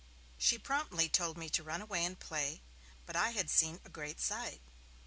She promptly told me to run away and play, but I had seen a great sight.